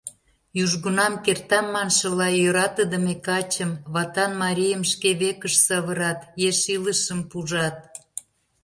Южгунам, кертам маншыла, йӧратыдыме качым, ватан марийым шке векышт савырат, еш илышым пужат.